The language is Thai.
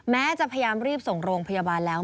แม้จะพยายามรีบส่งโรงพยาบาลแล้ว